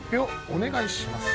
お願いします。